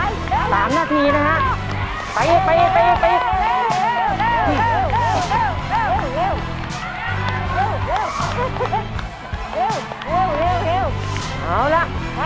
นิดเดียวนิดเดียวนิดเดียวนิดหนึ่งโหโหเจอตัวยาวเลยอ่ะ